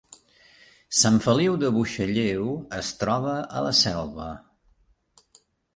Sant Feliu de Buixalleu es troba a la Selva